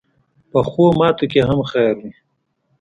پخو ماتو کې هم خیر وي